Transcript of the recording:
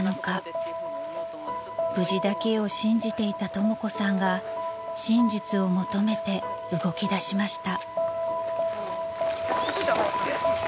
［無事だけを信じていたとも子さんが真実を求めて動きだしました］